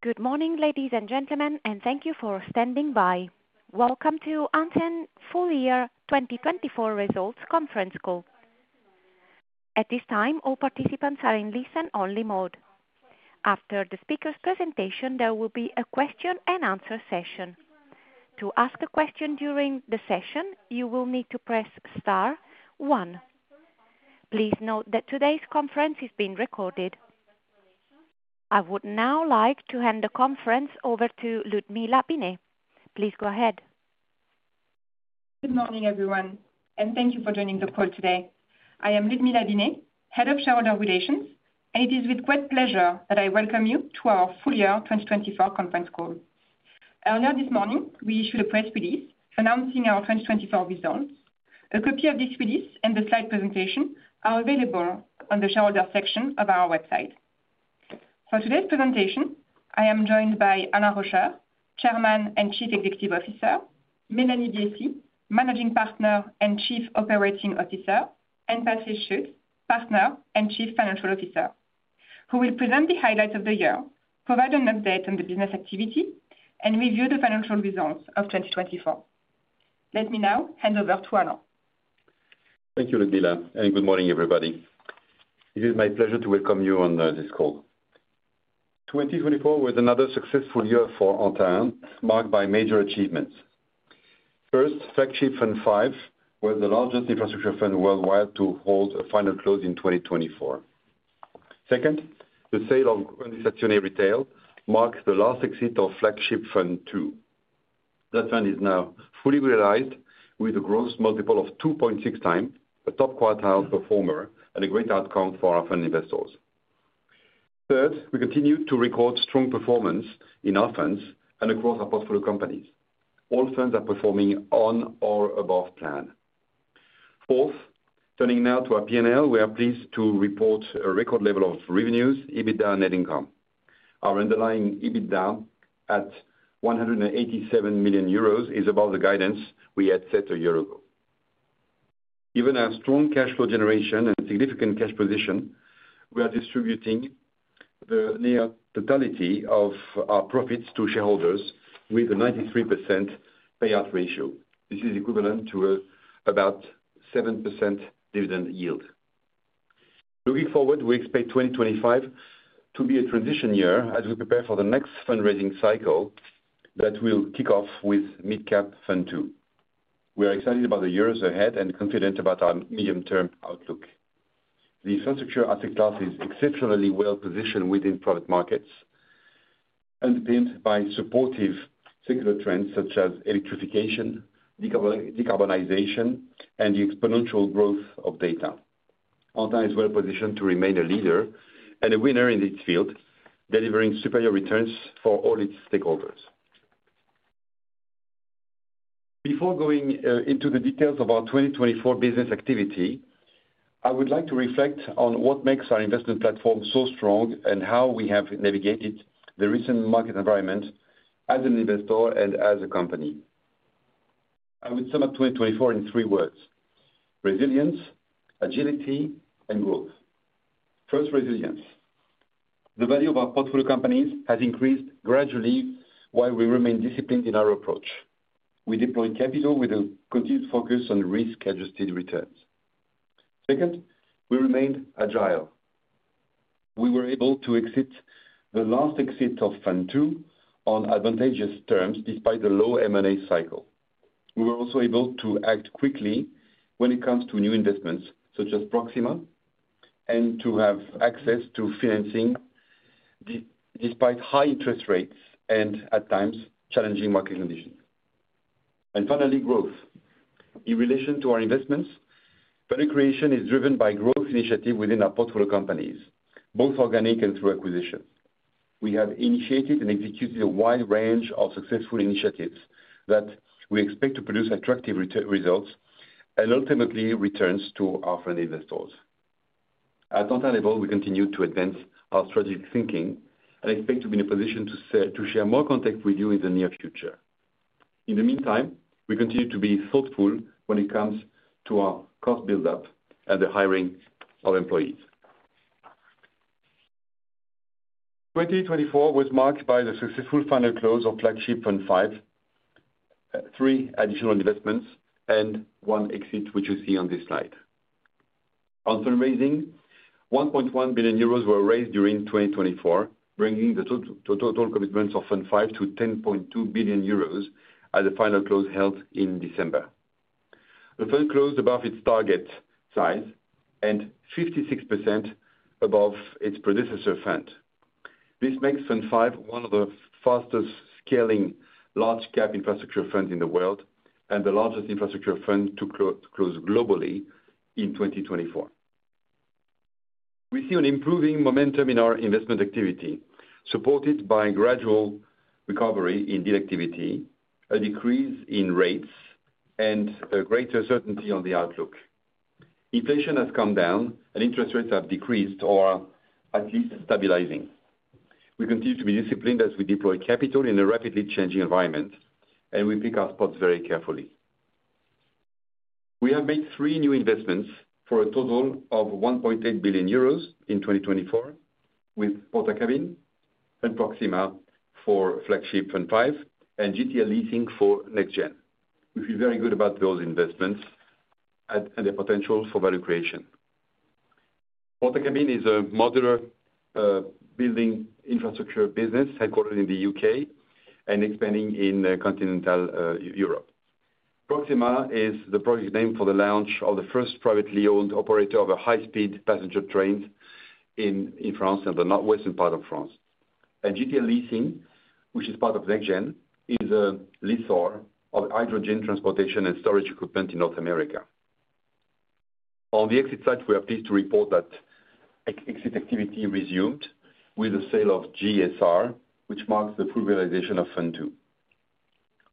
Good morning, ladies and gentlemen, and thank you for standing by. Welcome to Antin Full Year 2024 Results Conference Call. At this time, all participants are in listen-only mode. After the speaker's presentation, there will be a question-and-answer session. To ask a question during the session, you will need to press star one. Please note that today's conference is being recorded. I would now like to hand the conference over to Ludmilla Binet. Please go ahead. Good morning, everyone, and thank you for joining the call today. I am Ludmilla Binet, Head of Shareholder Relations, and it is with great pleasure that I welcome you to our Full Year 2024 Conference Call. Earlier this morning, we issued a press release announcing our 2024 results. A copy of this release and the slide presentation are available on the Shareholders section of our website. For today's presentation, I am joined by Alain Rauscher, Chairman and Chief Executive Officer; Mélanie Biessy, Managing Partner and Chief Operating Officer; and Patrice Schuetz, Partner and Chief Financial Officer, who will present the highlights of the year, provide an update on the business activity, and review the financial results of 2024. Let me now hand over to Alain. Thank you, Ludmilla, and good morning, everybody. It is my pleasure to welcome you on this call. 2024 was another successful year for Antin, marked by major achievements. First, Flagship Fund V was the largest infrastructure fund worldwide to hold a final close in 2024. Second, the sale of Grandi Stazioni Retail marked the last exit of Flagship Fund II. That fund is now fully realized, with a gross multiple of 2.6 times, a top quartile performer, and a great outcome for our fund investors. Third, we continue to record strong performance in our funds and across our portfolio companies. All funds are performing on or above plan. Fourth, turning now to our P&L, we are pleased to report a record level of revenues, EBITDA, and net income. Our underlying EBITDA at €187 million is above the guidance we had set a year ago. Given our strong cash flow generation and significant cash position, we are distributing the near totality of our profits to shareholders with a 93% payout ratio. This is equivalent to about 7% dividend yield. Looking forward, we expect 2025 to be a transition year as we prepare for the next fundraising cycle that will kick off with Mid Cap fund II. We are excited about the years ahead and confident about our medium-term outlook. The infrastructure asset class is exceptionally well positioned within private markets, underpinned by supportive secular trends such as electrification, decarbonization, and the exponential growth of data. Antin is well positioned to remain a leader and a winner in its field, delivering superior returns for all its stakeholders. Before going into the details of our 2024 business activity, I would like to reflect on what makes our investment platform so strong and how we have navigated the recent market environment as an investor and as a company. I would sum up 2024 in three words: resilience, agility, and growth. First, resilience. The value of our portfolio companies has increased gradually while we remain disciplined in our approach. We deploy capital with a continued focus on risk-adjusted returns. Second, we remained agile. We were able to exit the last exit of Fund II on advantageous terms despite the low M&A cycle. We were also able to act quickly when it comes to new investments such as Proxima and to have access to financing despite high interest rates and at times challenging market conditions, and finally, growth. In relation to our investments, value creation is driven by growth initiatives within our portfolio companies, both organic and through acquisitions. We have initiated and executed a wide range of successful initiatives that we expect to produce attractive results and ultimately returns to our fund investors. At Antin level, we continue to advance our strategic thinking and expect to be in a position to share more context with you in the near future. In the meantime, we continue to be thoughtful when it comes to our cost build-up and the hiring of employees. 2024 was marked by the successful final close of Flagship Fund V, three additional investments, and one exit, which you see on this slide. On fundraising, €1.1 billion were raised during 2024, bringing the total commitments of Fund V to €10.2 billion at the final close held in December. The fund closed above its target size and 56% above its predecessor fund. This makes Fund V one of the fastest-scaling large-cap infrastructure funds in the world and the largest infrastructure fund to close globally in 2024. We see an improving momentum in our investment activity, supported by a gradual recovery in deal activity, a decrease in rates, and a greater certainty on the outlook. Inflation has come down, and interest rates have decreased or are at least stabilizing. We continue to be disciplined as we deploy capital in a rapidly changing environment, and we pick our spots very carefully. We have made three new investments for a total of 1.8 billion euros in 2024, with Portakabin and Proxima for Flagship Fund V and GTL Leasing for NextGen. We feel very good about those investments and their potential for value creation. Portakabin is a modular building infrastructure business headquartered in the UK and expanding in continental Europe. Proxima is the project name for the launch of the first privately owned operator of high-speed passenger trains in France and the northwestern part of France, and GTL Leasing, which is part of NextGen, is a lessor of hydrogen transportation and storage equipment in North America. On the exit side, we are pleased to report that exit activity resumed with the sale of GSR, which marks the full realization of Fund II.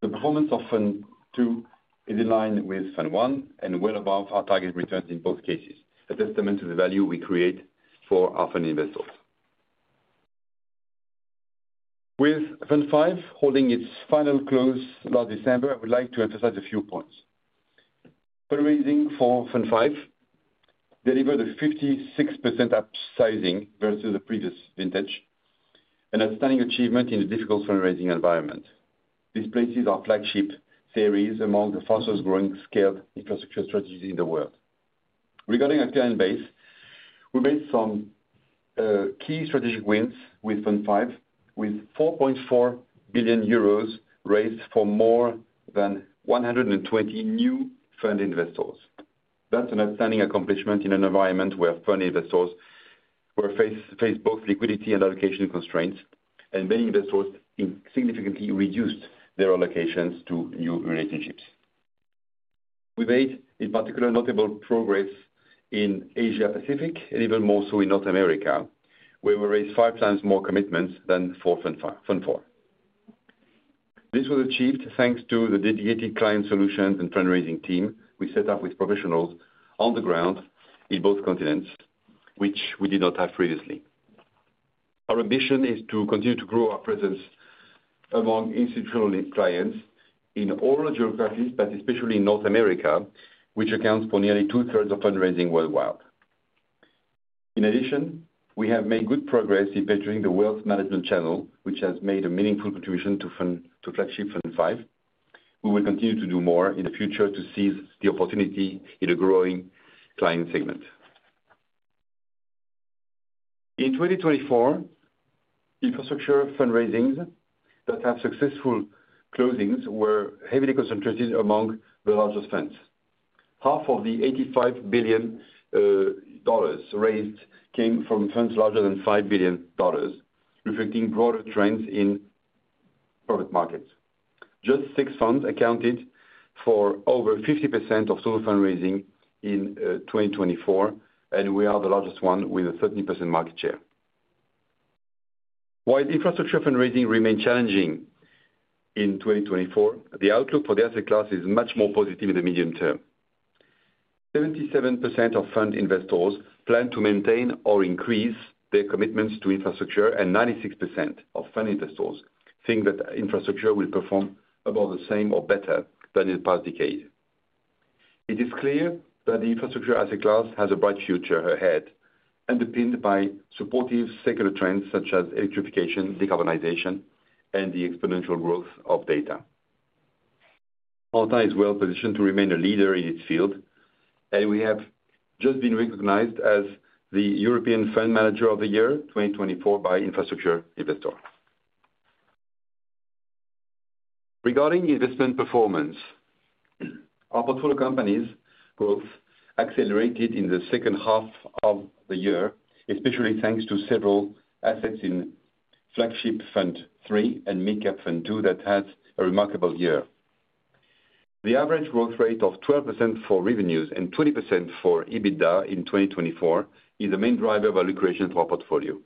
The performance of Fund II is in line with Fund I and well above our target returns in both cases, a testament to the value we create for our fund investors. With Fund V holding its final close last December, I would like to emphasize a few points. Fundraising for Fund V delivered a 56% upsizing versus the previous vintage, an outstanding achievement in a difficult fundraising environment. This places our Flagship Series among the fastest-growing scaled infrastructure strategies in the world. Regarding our client base, we had some key strategic wins with Fund V, with 4.4 billion euros raised for more than 120 new fund investors. That's an outstanding accomplishment in an environment where fund investors face both liquidity and allocation constraints, and many investors significantly reduced their allocations to new relationships. We made in particular notable progress in Asia-Pacific and even more so in North America, where we raised five times more commitments than for Fund IV. This was achieved thanks to the dedicated client solutions and fundraising team we set up with professionals on the ground in both continents, which we did not have previously. Our ambition is to continue to grow our presence among institutional clients in all geographies, but especially in North America, which accounts for nearly two-thirds of fundraising worldwide. In addition, we have made good progress in bettering the wealth management channel, which has made a meaningful contribution to Flagship Fund V. We will continue to do more in the future to seize the opportunity in a growing client segment. In 2024, infrastructure fundraisings that have successful closings were heavily concentrated among the largest funds. Half of the $85 billion raised came from funds larger than $5 billion, reflecting broader trends in private markets. Just six funds accounted for over 50% of total fundraising in 2024, and we are the largest one with a 13% market share. While infrastructure fundraising remains challenging in 2024, the outlook for the asset class is much more positive in the medium term. 77% of fund investors plan to maintain or increase their commitments to infrastructure, and 96% of fund investors think that infrastructure will perform above the same or better than in the past decade. It is clear that the infrastructure asset class has a bright future ahead, underpinned by supportive secular trends such as electrification, decarbonization, and the exponential growth of data. Antin is well positioned to remain a leader in its field, and we have just been recognized as the European Fund Manager of the Year 2024 by Infrastructure Investor. Regarding investment performance, our portfolio companies' growth accelerated in the second half of the year, especially thanks to several assets in Flagship Fund III and Mid Cap Fund II that had a remarkable year. The average growth rate of 12% for revenues and 20% for EBITDA in 2024 is the main driver of value creation for our portfolio.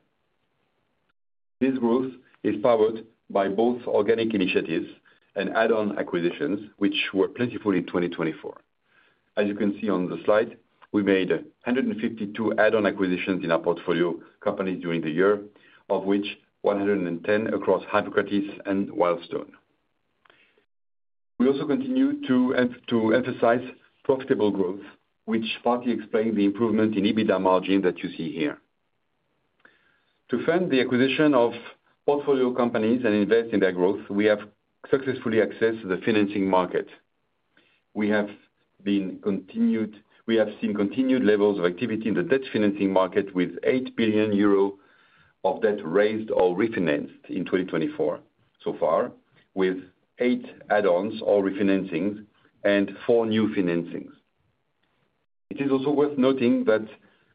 This growth is powered by both organic initiatives and add-on acquisitions, which were plentiful in 2024. As you can see on the slide, we made 152 add-on acquisitions in our portfolio companies during the year, of which 110 across Hippocrates and Wildstone. We also continue to emphasize profitable growth, which partly explains the improvement in EBITDA margin that you see here. To fund the acquisition of portfolio companies and invest in their growth, we have successfully accessed the financing market. We have seen continued levels of activity in the debt financing market, with €8 billion of debt raised or refinanced in 2024 so far, with eight add-ons or refinancings and four new financings. It is also worth noting that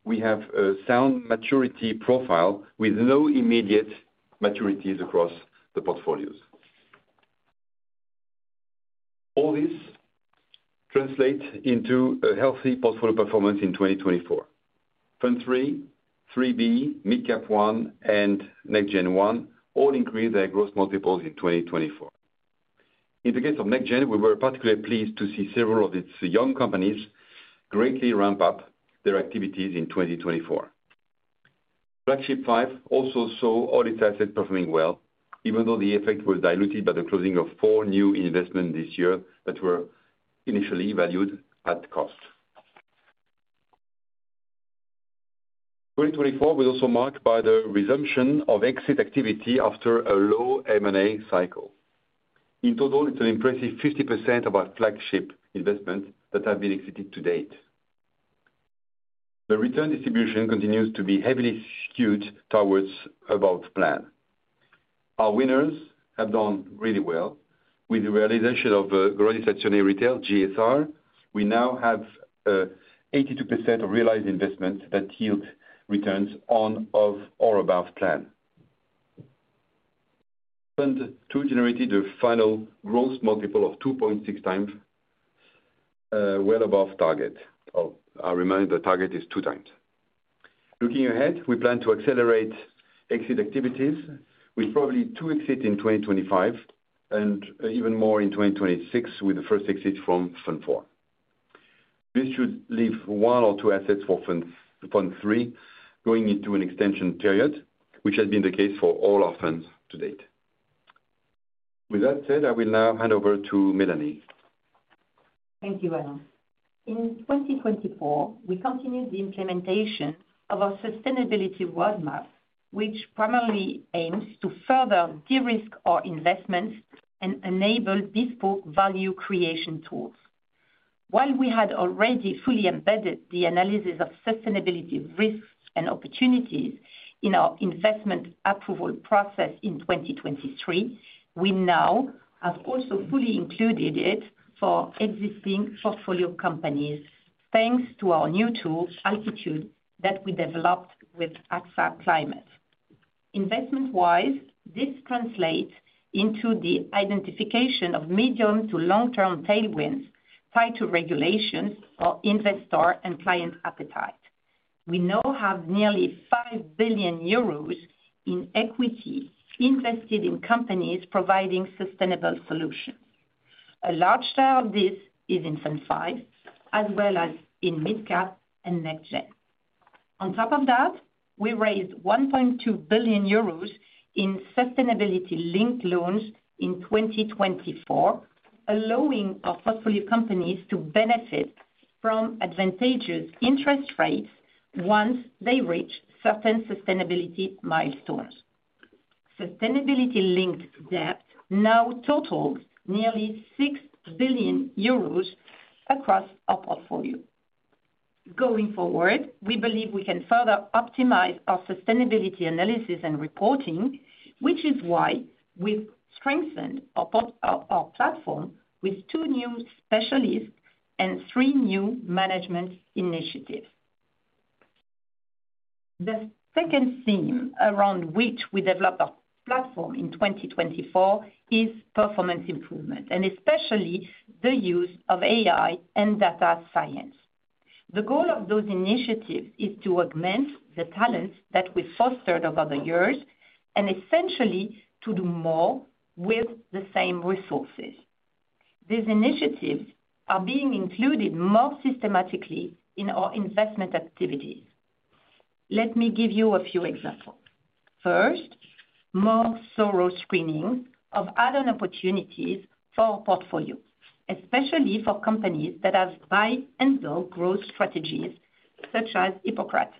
we have a sound maturity profile with no immediate maturities across the portfolios. All this translates into a healthy portfolio performance in 2024. Fund III, IIIB, Mid Cap I, and NextGen I all increased their gross multiples in 2024. In the case of NextGen, we were particularly pleased to see several of its young companies greatly ramp up their activities in 2024. Flagship V also saw all its assets performing well, even though the effect was diluted by the closing of four new investments this year that were initially valued at cost. 2024 was also marked by the resumption of exit activity after a low M&A cycle. In total, it's an impressive 50% of our Flagship investments that have been exited to date. The return distribution continues to be heavily skewed towards above plan. Our winners have done really well. With the realization of Grandi Stazioni Retail, GSR, we now have 82% of realised investments that yield returns on or above plan. Fund II generated a final gross multiple of 2.6 times, well above target. I'll remind you the target is two times. Looking ahead, we plan to accelerate exit activities with probably two exits in 2025 and even more in 2026 with the first exit from Fund IV. This should leave one or two assets for Fund III going into an extension period, which has been the case for all our funds to date. With that said, I will now hand over to Mélanie. Thank you, Alain. In 2024, we continued the implementation of our sustainability roadmap, which primarily aims to further de-risk our investments and enable bespoke value creation tools. While we had already fully embedded the analysis of sustainability risks and opportunities in our investment approval process in 2023, we now have also fully included it for existing portfolio companies, thanks to our new tool, Altitude, that we developed with AXA Climate. Investment-wise, this translates into the identification of medium to long-term tailwinds tied to regulations or investor and client appetite. We now have nearly €5 billion in equity invested in companies providing sustainable solutions. A large share of this is in Fund V, as well as in mid-cap and NextGen. On top of that, we raised €1.2 billion in sustainability-linked loans in 2024, allowing our portfolio companies to benefit from advantageous interest rates once they reach certain sustainability milestones. Sustainability-linked debt now totals nearly €6 billion across our portfolio. Going forward, we believe we can further optimize our sustainability analysis and reporting, which is why we've strengthened our platform with two new specialists and three new management initiatives. The second theme around which we developed our platform in 2024 is performance improvement, and especially the use of AI and data science. The goal of those initiatives is to augment the talents that we've fostered over the years and essentially to do more with the same resources. These initiatives are being included more systematically in our investment activities. Let me give you a few examples. First, more thorough screenings of add-on opportunities for our portfolio, especially for companies that have buy-and-sell growth strategies such as Hippocrates.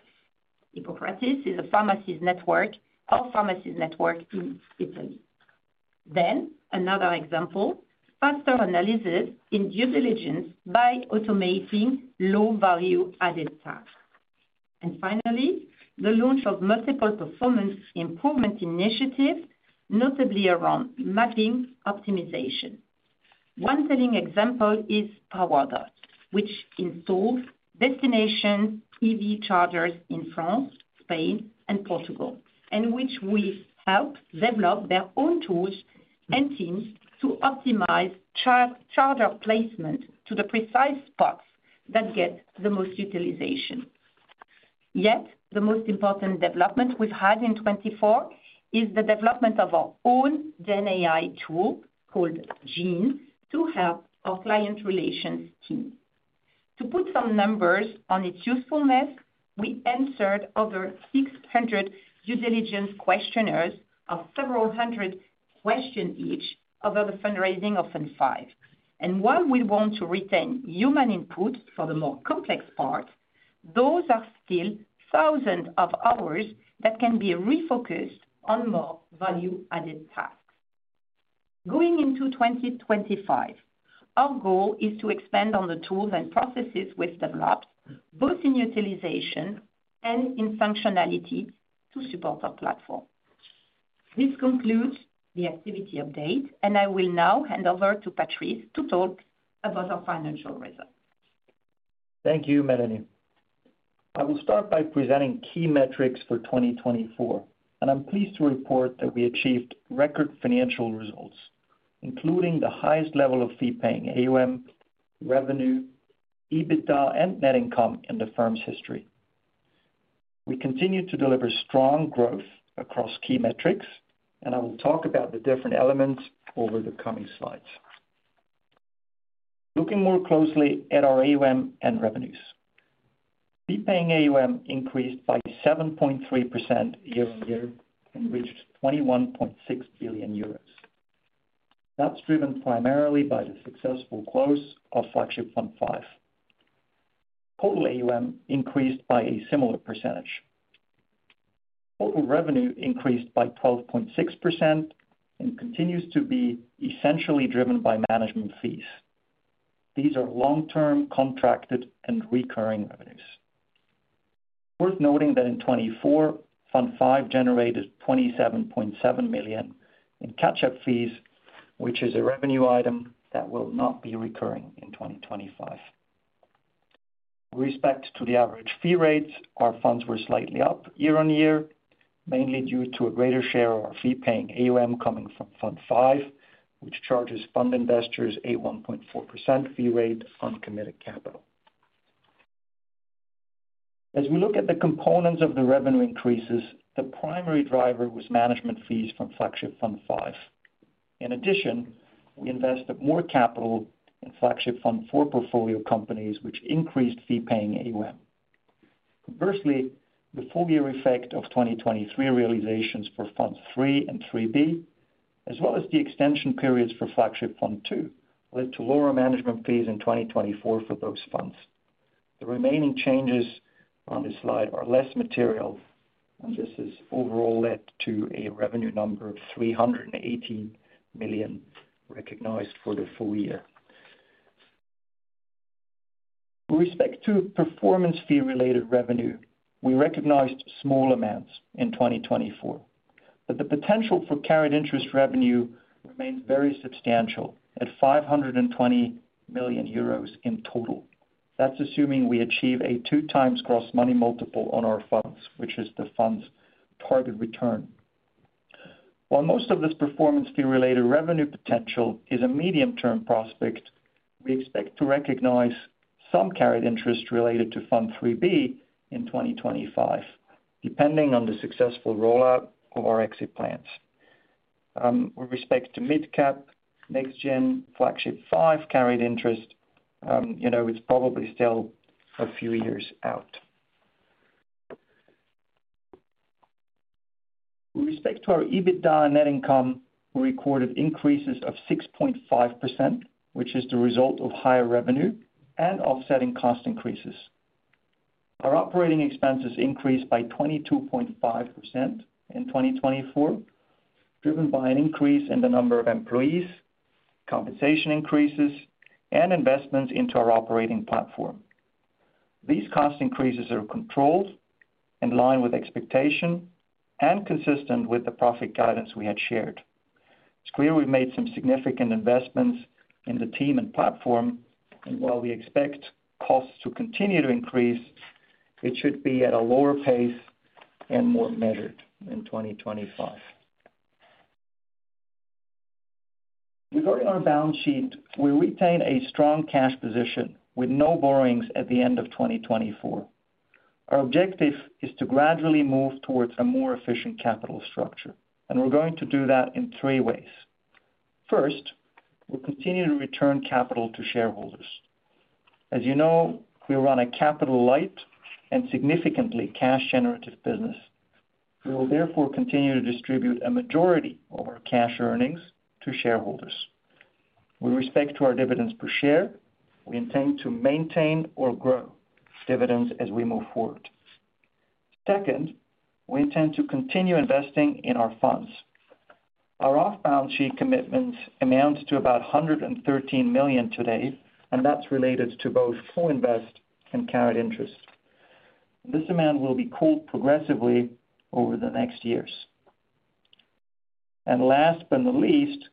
Hippocrates is a pharmacies network, our pharmacies network in Italy. Then, another example, faster analysis in due diligence by automating low-value-added tasks. Finally, the launch of multiple performance improvement initiatives, notably around mapping optimization. One telling example is PowerDot, which installs destination EV chargers in France, Spain, and Portugal, and which we help develop their own tools and teams to optimize charger placement to the precise spots that get the most utilization. Yet, the most important development we've had in 2024 is the development of our own GenAI tool called Gene to help our client relations team. To put some numbers on its usefulness, we answered over 600 due diligence questionnaires of several hundred questions each over the fundraising of Fund V. While we want to retain human input for the more complex parts, those are still thousands of hours that can be refocused on more value-added tasks. Going into 2025, our goal is to expand on the tools and processes we've developed, both in utilization and in functionality to support our platform. This concludes the activity update, and I will now hand over to Patrice to talk about our financial results. Thank you, Mélanie. I will start by presenting key metrics for 2024, and I'm pleased to report that we achieved record financial results, including the highest level of fee-paying AUM, revenue, EBITDA, and net income in the firm's history. We continue to deliver strong growth across key metrics, and I will talk about the different elements over the coming slides. Looking more closely at our AUM and revenues, fee-paying AUM increased by 7.3% year-on-year and reached 21.6 billion euros. That's driven primarily by the successful close of Flagship Fund V. Total AUM increased by a similar percentage. Total revenue increased by 12.6% and continues to be essentially driven by management fees. These are long-term contracted and recurring revenues. Worth noting that in 2024, Fund V generated 27.7 million in catch-up fees, which is a revenue item that will not be recurring in 2025. With respect to the average fee rates, our funds were slightly up year-on-year, mainly due to a greater share of our fee-paying AUM coming from Fund V, which charges fund investors a 1.4% fee rate on committed capital. As we look at the components of the revenue increases, the primary driver was management fees from Flagship Fund V. In addition, we invested more capital in Flagship Fund IV portfolio companies, which increased fee-paying AUM. Conversely, the full-year effect of 2023 realizations for Fund III and IIIB, as well as the extension periods for Flagship Fund II, led to lower management fees in 2024 for those funds. The remaining changes on this slide are less material, and this has overall led to a revenue number of 380 million recognized for the full year. With respect to performance fee-related revenue, we recognized small amounts in 2024, but the potential for carried interest revenue remains very substantial at 520 million euros in total. That's assuming we achieve a two-times gross money multiple on our funds, which is the fund's target return. While most of this performance fee-related revenue potential is a medium-term prospect, we expect to recognize some carried interest related to Fund III-B in 2025, depending on the successful rollout of our exit plans. With respect to mid-cap, NextGen, Flagship V carried interest, you know, it's probably still a few years out. With respect to our EBITDA and net income, we recorded increases of 6.5%, which is the result of higher revenue and offsetting cost increases. Our operating expenses increased by 22.5% in 2024, driven by an increase in the number of employees, compensation increases, and investments into our operating platform. These cost increases are controlled, in line with expectation, and consistent with the profit guidance we had shared. It's clear we've made some significant investments in the team and platform, and while we expect costs to continue to increase, it should be at a lower pace and more measured in 2025. Regarding our balance sheet, we retain a strong cash position with no borrowings at the end of 2024. Our objective is to gradually move towards a more efficient capital structure, and we're going to do that in three ways. First, we'll continue to return capital to shareholders. As you know, we run a capital-light and significantly cash-generative business. We will therefore continue to distribute a majority of our cash earnings to shareholders. With respect to our dividends per share, we intend to maintain or grow dividends as we move forward. Second, we intend to continue investing in our funds. Our off-balance sheet commitments amount to about 113 million today, and that's related to both co-invest and carried interest. This amount will be called progressively over the next years, and last but not least,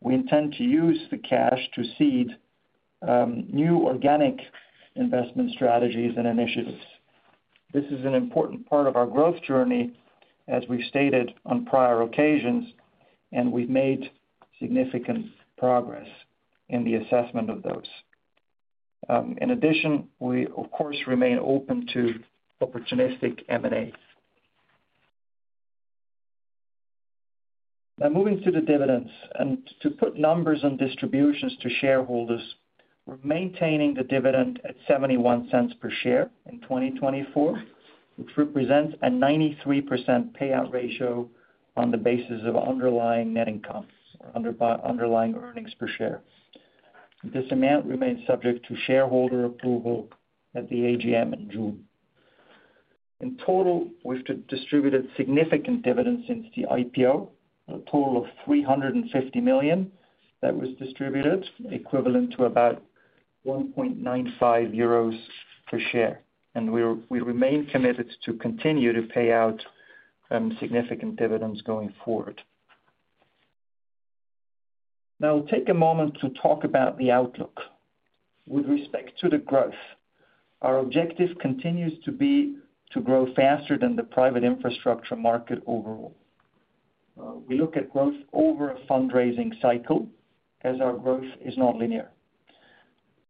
we intend to use the cash to seed new organic investment strategies and initiatives. This is an important part of our growth journey, as we've stated on prior occasions, and we've made significant progress in the assessment of those. In addition, we, of course, remain open to opportunistic M&A. Now, moving to the dividends, and to put numbers on distributions to shareholders, we're maintaining the dividend at 0.71 per share in 2024, which represents a 93% payout ratio on the basis of underlying net income or underlying earnings per share. This amount remains subject to shareholder approval at the AGM in June. In total, we've distributed significant dividends since the IPO, a total of 350 million that was distributed, equivalent to about 1.95 euros per share, and we remain committed to continue to pay out significant dividends going forward. Now, I'll take a moment to talk about the outlook. With respect to the growth, our objective continues to be to grow faster than the private infrastructure market overall. We look at growth over a fundraising cycle as our growth is not linear.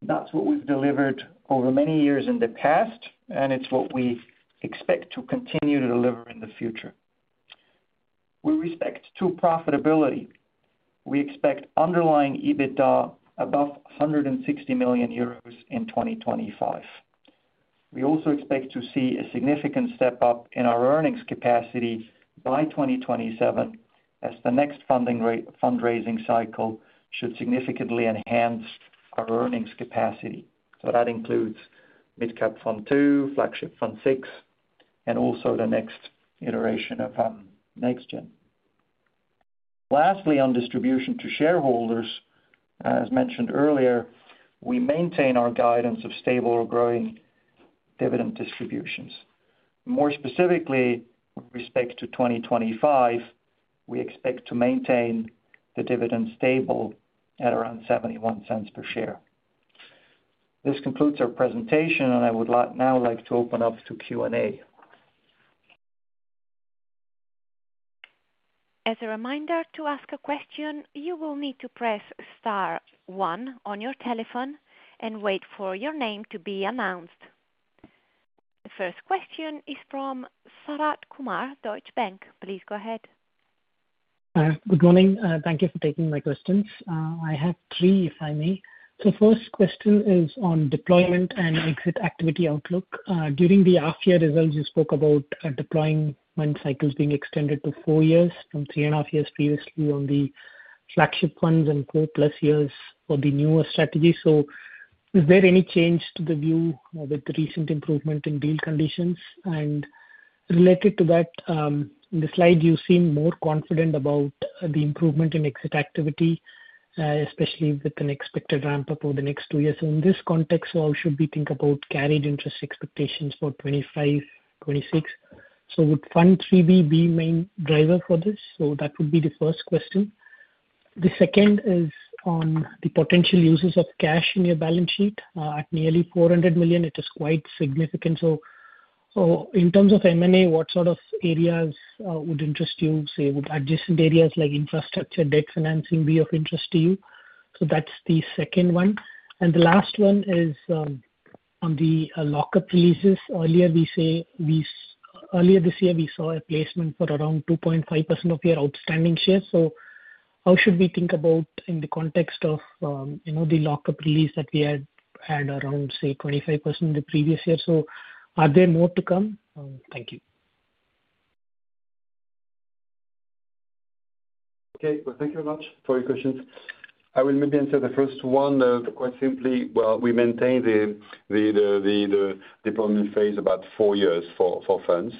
That's what we've delivered over many years in the past, and it's what we expect to continue to deliver in the future. With respect to profitability, we expect underlying EBITDA above € 160 million in 2025. We also expect to see a significant step up in our earnings capacity by 2027 as the next fundraising cycle should significantly enhance our earnings capacity. So that includes mid-cap Fund II, Flagship Fund VI, and also the next iteration of NextGen. Lastly, on distribution to shareholders, as mentioned earlier, we maintain our guidance of stable or growing dividend distributions. More specifically, with respect to 2025, we expect to maintain the dividend stable at around €0.71 per share. This concludes our presentation, and I would now like to open up to Q&A. As a reminder to ask a question, you will need to press star one on your telephone and wait for your name to be announced. The first question is from Sharath Kumar, Deutsche Bank. Please go ahead. Good morning. Thank you for taking my questions. I have three, if I may. So the first question is on deployment and exit activity outlook. During the half-year results, you spoke about deployment cycles being extended to four years from three and a half years previously on the flagship funds and four-plus years for the newer strategy. So is there any change to the view with the recent improvement in deal conditions? And related to that, in the slide, you seem more confident about the improvement in exit activity, especially with an expected ramp-up over the next two years. In this context, how should we think about carried interest expectations for 2025-26? Would Fund IIIB be the main driver for this? That would be the first question. The second is on the potential uses of cash in your balance sheet. At nearly 400 million, it is quite significant. In terms of M&A, what sort of areas would interest you? Say would adjacent areas like infrastructure, debt financing be of interest to you? That's the second one. And the last one is on the lock-up releases. Earlier this year, we saw a placement for around 2.5% of your outstanding shares. How should we think about in the context of the lock-up release that we had around, say, 25% the previous year? Are there more to come? Thank you. Okay. Thank you very much for your questions. I will maybe answer the first one quite simply. Well, we maintain the deployment phase about four years for funds,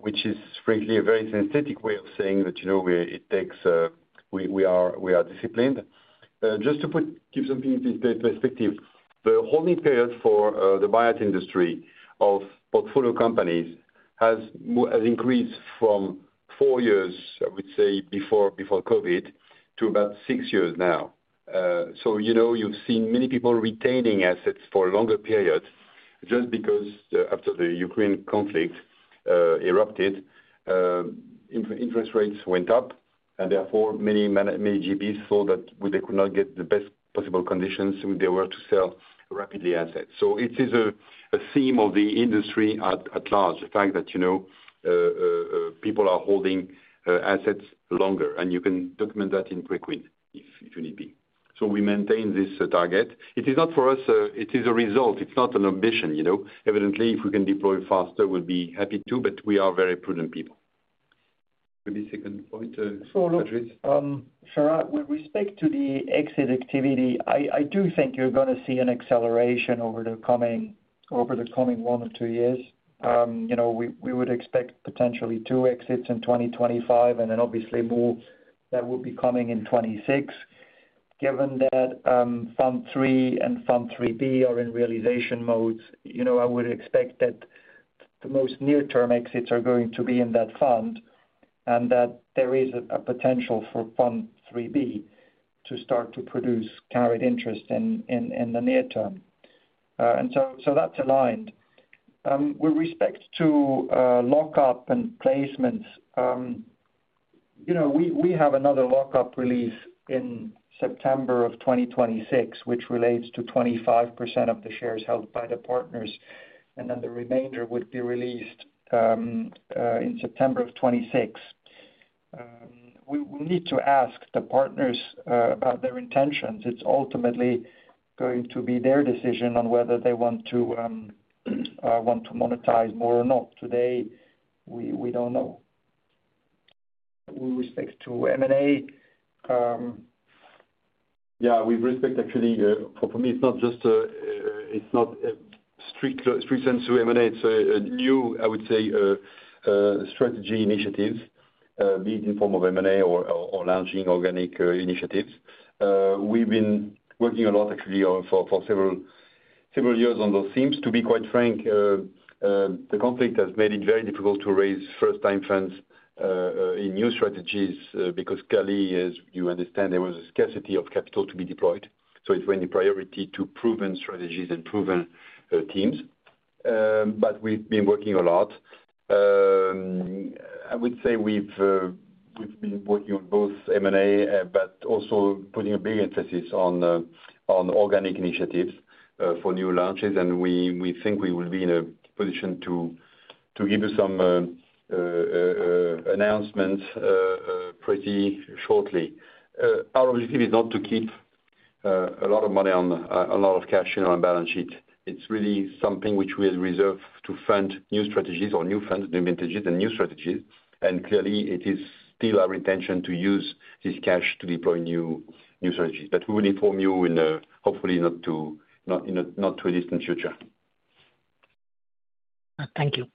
which is frankly a very synthetic way of saying that it takes. We are disciplined. Just to give some perspective, the holding period for the buyout industry of portfolio companies has increased from four years, I would say, before COVID to about six years now. So you've seen many people retaining assets for a longer period just because after the Ukraine conflict erupted, interest rates went up, and therefore many GPs thought that they could not get the best possible conditions if they were to sell rapidly assets. So it is a theme of the industry at large, the fact that people are holding assets longer, and you can document that in Preqin if you need be. So we maintain this target. It is not for us. It is a result. It's not an ambition. Evidently, if we can deploy faster, we'd be happy to, but we are very prudent people. Maybe second point, Patrice. With respect to the exit activity, I do think you're going to see an acceleration over the coming one or two years. We would expect potentially two exits in 2025, and then obviously more that would be coming in 2026. Given that Fund III and Fund IIIB are in realization modes, I would expect that the most near-term exits are going to be in that fund and that there is a potential for Fund IIIB to start to produce carried interest in the near term. And so that's aligned. With respect to lock-up and placements, we have another lock-up release in September of 2026, which relates to 25% of the shares held by the partners, and then the remainder would be released in September of 2026. We will need to ask the partners about their intentions. It's ultimately going to be their decision on whether they want to monetize more or not. Today, we don't know. With respect to M&A. Yeah, with respect, actually, for me, it's not just. It's not a strict sense of M&A. It's a new, I would say, strategy initiative, be it in the form of M&A or launching organic initiatives. We've been working a lot, actually, for several years on those themes. To be quite frank, the conflict has made it very difficult to raise first-time funds in new strategies because clearly, as you understand, there was a scarcity of capital to be deployed. So it's mainly priority to proven strategies and proven themes. But we've been working a lot. I would say we've been working on both M&A, but also putting a big emphasis on organic initiatives for new launches, and we think we will be in a position to give you some announcements pretty shortly. Our objective is not to keep a lot of money on a lot of cash on our balance sheet. It's really something which we have reserved to fund new strategies or new funds, new initiatives, and new strategies. And clearly, it is still our intention to use this cash to deploy new strategies. But we will inform you in hopefully not too distant future. Thank you.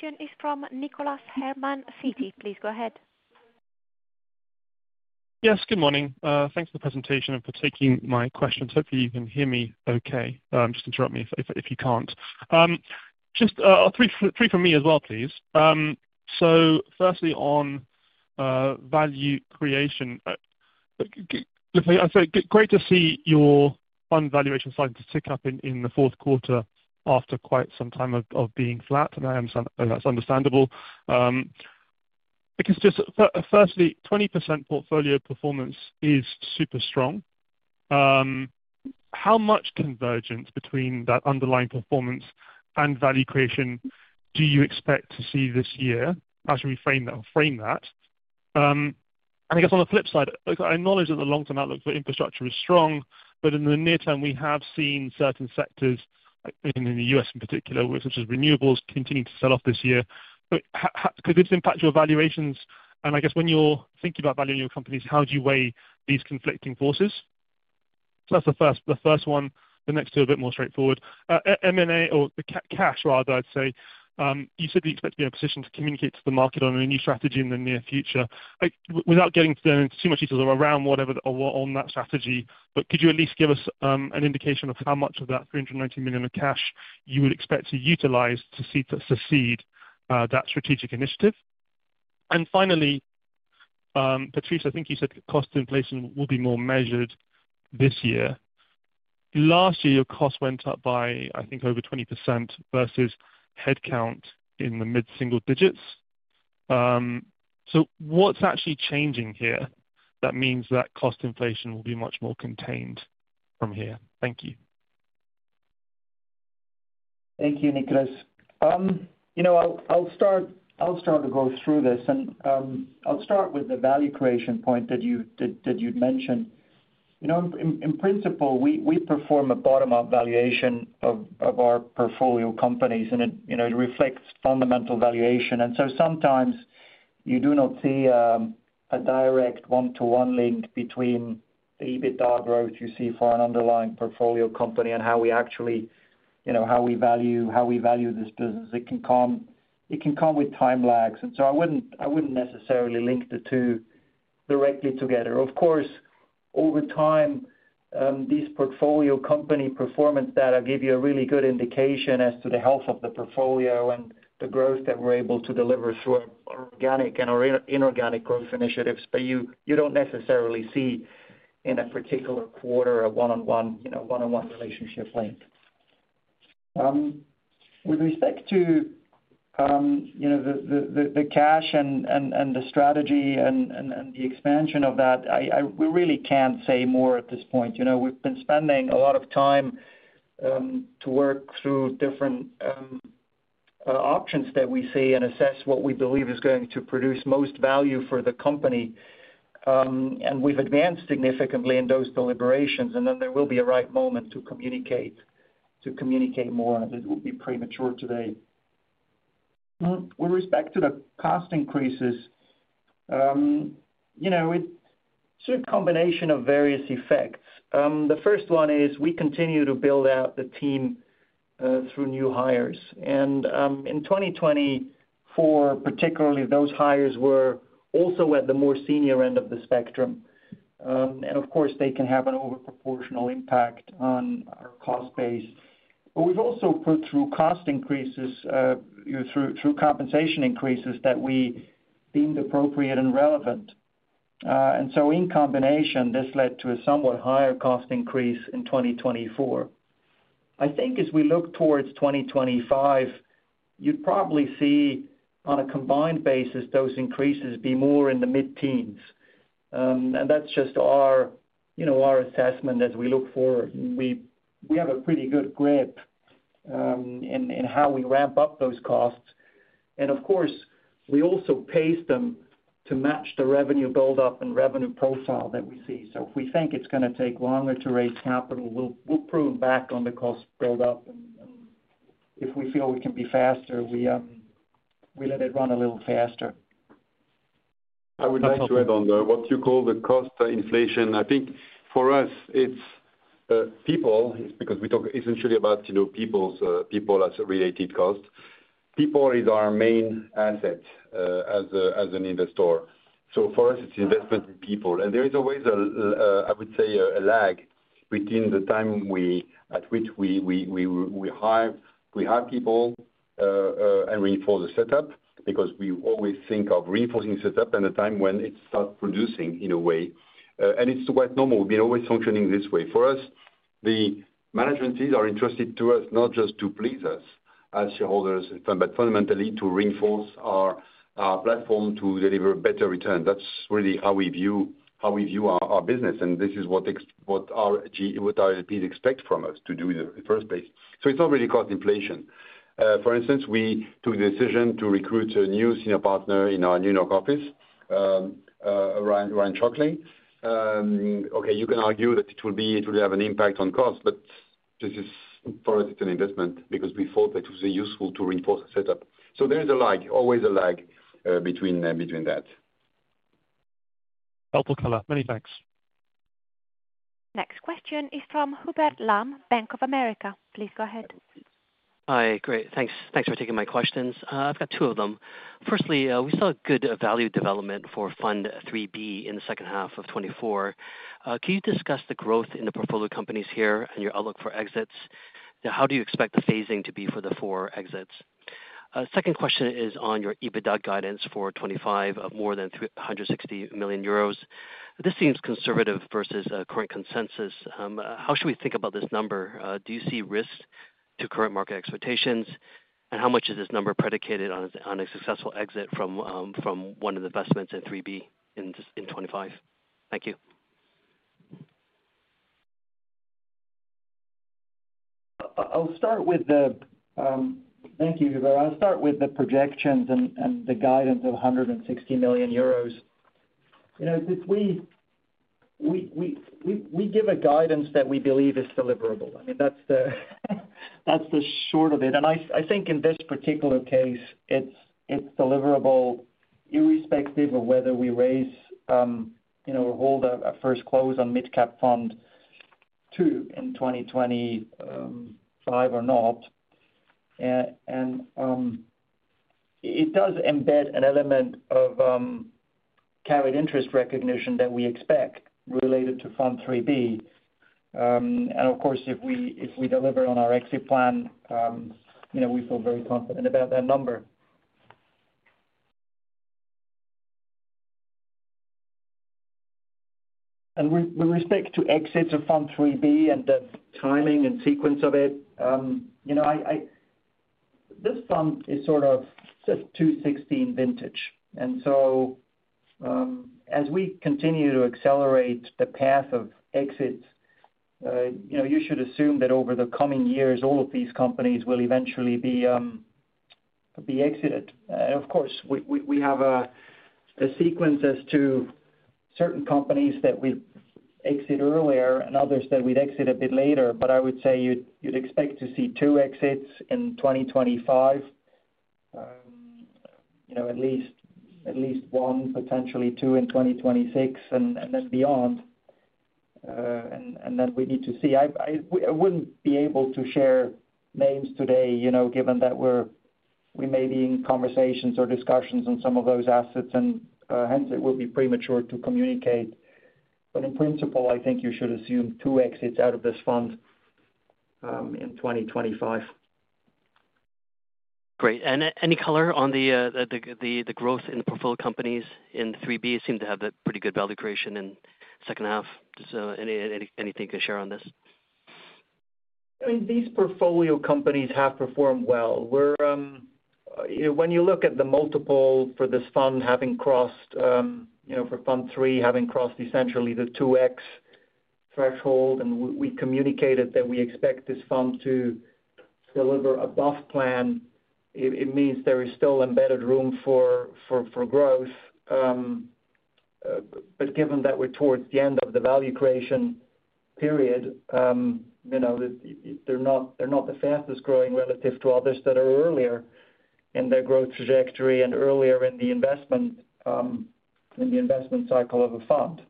Next question is from Nicholas Herman, Citi. Please go ahead. Yes, good morning. Thanks for the presentation and for taking my questions. Hopefully, you can hear me okay. Just interrupt me if you can't. Just three from me as well, please. So firstly, on value creation, great to see your fund valuation starting to tick up in the fourth quarter after quite some time of being flat, and that's understandable. Because just firstly, 20% portfolio performance is super strong. How much convergence between that underlying performance and value creation do you expect to see this year as we frame that? And I guess on the flip side, I acknowledge that the long-term outlook for infrastructure is strong, but in the near term, we have seen certain sectors in the U.S. in particular, such as renewables, continue to sell off this year. Could this impact your valuations? And I guess when you're thinking about valuing your companies, how do you weigh these conflicting forces? So that's the first one. The next two are a bit more straightforward. M&A or cash, rather, I'd say. You said you expect to be in a position to communicate to the market on a new strategy in the near future. Without getting too much details around whatever on that strategy, but could you at least give us an indication of how much of that 390 million of cash you would expect to utilize to succeed that strategic initiative? And finally, Patrice, I think you said cost inflation will be more measured this year. Last year, your cost went up by, I think, over 20% versus headcount in the mid-single digits. So what's actually changing here that means that cost inflation will be much more contained from here? Thank you. Thank you, Nicholas. I'll start to go through this, and I'll start with the value creation point that you'd mentioned. In principle, we perform a bottom-up valuation of our portfolio companies, and it reflects fundamental valuation, and so sometimes you do not see a direct one-to-one link between the EBITDA growth you see for an underlying portfolio company and how we actually value this business. It can come with time lags, and so I wouldn't necessarily link the two directly together. Of course, over time, these portfolio company performance data give you a really good indication as to the health of the portfolio and the growth that we're able to deliver through organic and inorganic growth initiatives, but you don't necessarily see in a particular quarter a one-on-one relationship link. With respect to the cash and the strategy and the expansion of that, we really can't say more at this point. We've been spending a lot of time to work through different options that we see and assess what we believe is going to produce most value for the company, and we've advanced significantly in those deliberations, and then there will be a right moment to communicate more, and it will be premature today. With respect to the cost increases, it's a combination of various effects. The first one is we continue to build out the team through new hires, and in 2024, particularly, those hires were also at the more senior end of the spectrum, and of course, they can have an overproportional impact on our cost base, but we've also put through cost increases through compensation increases that we deemed appropriate and relevant, and so in combination, this led to a somewhat higher cost increase in 2024. I think as we look towards 2025, you'd probably see on a combined basis those increases be more in the mid-teens, and that's just our assessment as we look forward. We have a pretty good grip in how we ramp up those costs, and of course, we also pace them to match the revenue build-up and revenue profile that we see, so if we think it's going to take longer to raise capital, we'll prune back on the cost build-up, and if we feel we can be faster, we let it run a little faster. I would like to add on what you call the cost inflation. I think for us, it's people because we talk essentially about people as a related cost. People is our main asset as an investor, so for us, it's investment in people. There is always, I would say, a lag between the time at which we hire people and reinforce the setup because we always think of reinforcing the setup and the time when it starts producing in a way. It's quite normal. We've been always functioning this way. For us, the management teams are interested to us not just to please us as shareholders, but fundamentally to reinforce our platform to deliver better return. That's really how we view our business, and this is what our LPs expect from us to do in the first place. It's not really cost inflation. For instance, we took the decision to recruit a new senior partner in our New York office, Ryan Shockley. Okay, you can argue that it will have an impact on cost, but for us, it's an investment because we thought that it was useful to reinforce the setup. So there is always a lag between that. Helpful color. Many thanks. Next question is from Hubert Lam, Bank of America. Please go ahead. Hi. Great. Thanks for taking my questions. I've got two of them. Firstly, we saw good value development for Fund IIIB in the second half of 2024. Can you discuss the growth in the portfolio companies here and your outlook for exits? How do you expect the phasing to be for the four exits? Second question is on your EBITDA guidance for 2025 of more than 160 million euros. This seems conservative versus current consensus. How should we think about this number? Do you see risk to current market expectations? And how much is this number predicated on a successful exit from one of the investments in IIIB in 2025? Thank you. I'll start with the thank you, Hubert. I'll start with the projections and the guidance of €160 million. We give a guidance that we believe is deliverable. I mean, that's the short of it. And I think in this particular case, it's deliverable irrespective of whether we raise or hold a first close on mid-cap fund two in 2025 or not. And it does embed an element of carried interest recognition that we expect related to Fund IIIB. And of course, if we deliver on our exit plan, we feel very confident about that number. And with respect to exits of Fund IIIB and the timing and sequence of it, this fund is sort of just 2016 vintage. And so as we continue to accelerate the path of exits, you should assume that over the coming years, all of these companies will eventually be exited. And of course, we have a sequence as to certain companies that we exit earlier and others that we'd exit a bit later. But I would say you'd expect to see two exits in 2025, at least one, potentially two in 2026, and then beyond. And then we need to see. I wouldn't be able to share names today given that we may be in conversations or discussions on some of those assets, and hence it will be premature to communicate. But in principle, I think you should assume two exits out of this fund in 2025. Great. And any color on the growth in the portfolio companies in IIIB? You seem to have pretty good value creation in the second half. Just anything you can share on this? I mean, these portfolio companies have performed well. When you look at the multiple for this fund having crossed for Fund III essentially the 2x threshold, and we communicated that we expect this fund to deliver above plan, it means there is still embedded room for growth. But given that we're towards the end of the value creation period, they're not the fastest growing relative to others that are earlier in their growth trajectory and earlier in the investment cycle of a fund,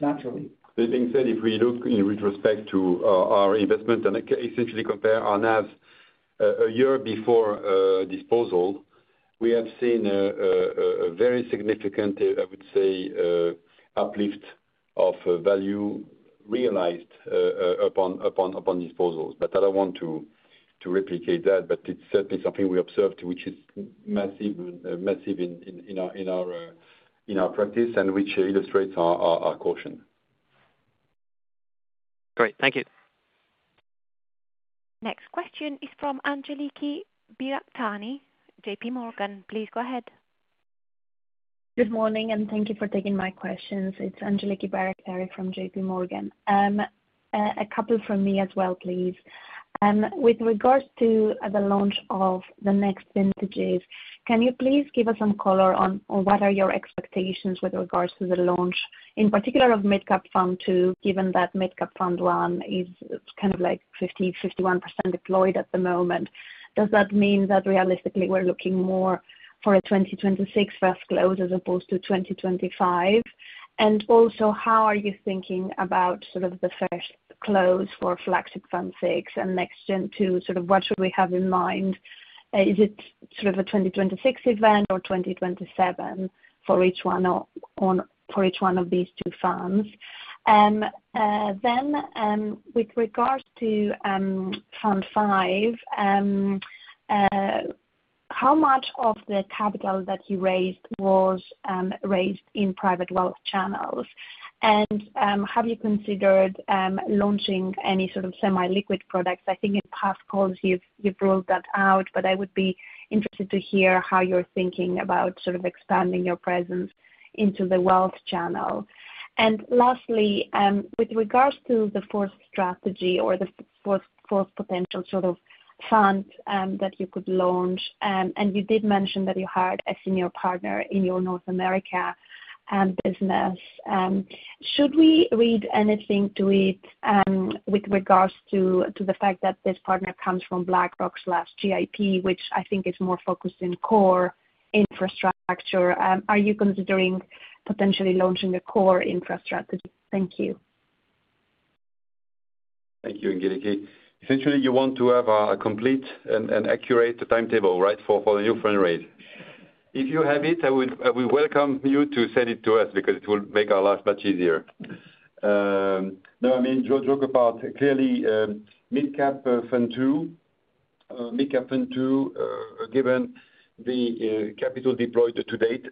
naturally. That being said, if we look in retrospect to our investment and essentially compare our NAV a year before disposal, we have seen a very significant, I would say, uplift of value realized upon disposals. But I don't want to replicate that, but it's certainly something we observed, which is massive in our practice and which illustrates our caution. Great. Thank you. Next question is from Angeliki Bairaktari, J.P. Morgan. Please go ahead. Good morning, and thank you for taking my questions. It's Angeliki Bairaktari from J.P. Morgan. A couple from me as well, please. With regards to the launch of the next vintages, can you please give us some color on what are your expectations with regards to the launch, in particular of mid-cap fund two, given that mid-cap fund one is kind of like 50-51% deployed at the moment? Does that mean that realistically we're looking more for a 2026 first close as opposed to 2025? And also, how are you thinking about sort of the first close for Flagship Fund VI and NextGen II? Sort of what should we have in mind? Is it sort of a 2026 event or 2027 for each one of these two funds? Then, with regards to Fund V, how much of the capital that you raised was raised in private wealth channels? And have you considered launching any sort of semi-liquid products? I think in past calls, you've ruled that out, but I would be interested to hear how you're thinking about sort of expanding your presence into the wealth channel. And lastly, with regards to the fourth strategy or the fourth potential sort of fund that you could launch, and you did mention that you hired a senior partner in your North America business, should we read anything to it with regards to the fact that this partner comes from BlackRock/GIP, which I think is more focused in core infrastructure? Are you considering potentially launching a core infrastructure? Thank you. Thank you, Angeliki. Essentially, you want to have a complete and accurate timetable, right, for the new fundraise? If you have it, I would welcome you to send it to us because it will make our life much easier. No, I mean, you're talking about clearly mid-cap fund two. Mid-cap fund two, given the capital deployed to date,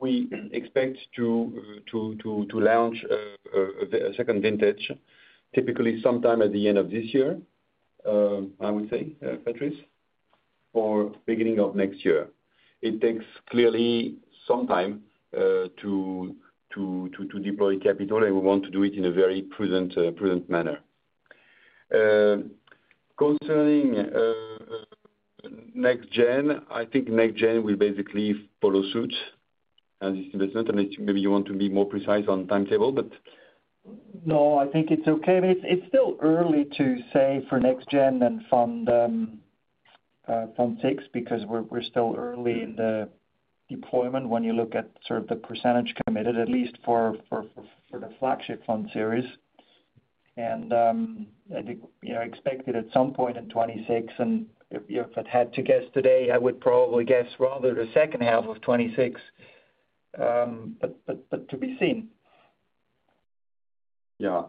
we expect to launch a second vintage, typically sometime at the end of this year, I would say, Patrice, or beginning of next year. It takes clearly some time to deploy capital, and we want to do it in a very prudent manner. Concerning NextGen, I think NextGen will basically follow suit on this investment. And maybe you want to be more precise on timetable, but. No, I think it's okay. It's still early to say for NextGen and Fund VI because we're still early in the deployment when you look at sort of the percentage committed, at least for the Flagship Fund series. I expect it at some point in 2026. If I'd had to guess today, I would probably guess rather the second half of 2026, but to be seen. Yeah.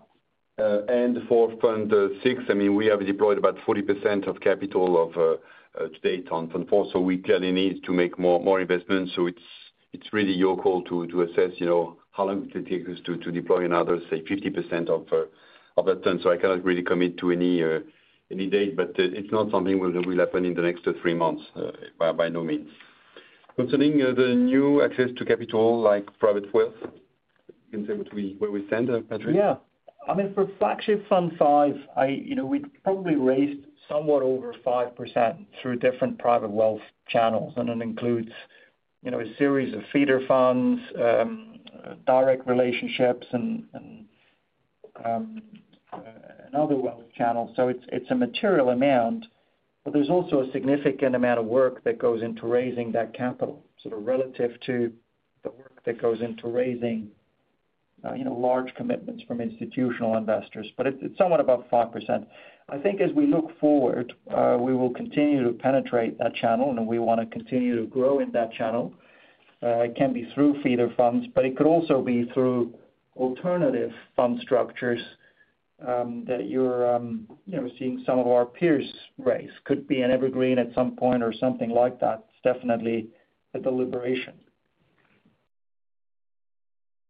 For Fund VI, I mean, we have deployed about 40% of capital to date on Fund IV, so we clearly need to make more investments. It's really your call to assess how long it takes us to deploy another, say, 50% of that fund. I cannot really commit to any date, but it's not something that will happen in the next three months, by no means. Concerning the new access to capital like private wealth, you can say what we stand, Patrice? Yeah. I mean, for Flagship Fund V, we probably raised somewhat over 5% through different private wealth channels, and it includes a series of feeder funds, direct relationships, and other wealth channels. So it's a material amount, but there's also a significant amount of work that goes into raising that capital sort of relative to the work that goes into raising large commitments from institutional investors. But it's somewhat about 5%. I think as we look forward, we will continue to penetrate that channel, and we want to continue to grow in that channel. It can be through feeder funds, but it could also be through alternative fund structures that you're seeing some of our peers raise. Could be an Evergreen at some point or something like that. It's definitely a deliberation.